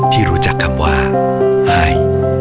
ที่รู้จักคำว่าอาย